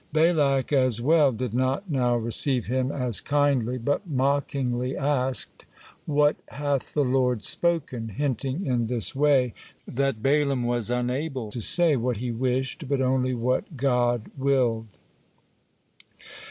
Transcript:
Balak as well did not now receive him as kindly, but mockingly asked, "What hath the Lord spoken?" hinting in this way that Balaam was unable to say what he wished, but only what God willed.